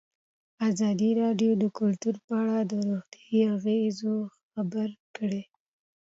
ازادي راډیو د کلتور په اړه د روغتیایي اغېزو خبره کړې.